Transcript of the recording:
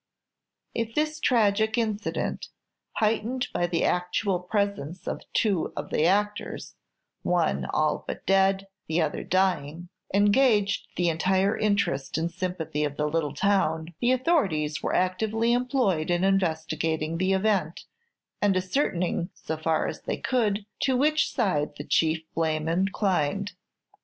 If this tragic incident, heightened by the actual presence of two of the actors one all but dead, the other dying engaged the entire interest and sympathy of the little town, the authorities were actively employed in investigating the event, and ascertaining, so far as they could, to which side the chief blame inclined.